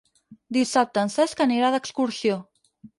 Dissabte en Cesc anirà d'excursió.